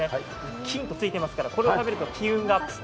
金とついていますから、これを食べると金運アップ。